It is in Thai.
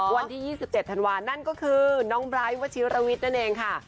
อ๋อวันที่ยี่สิบเจ็ดธันวาลนั่นก็คือน้องวัชิระวิทย์นั่นเองค่ะ